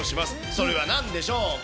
それはなんでしょうか？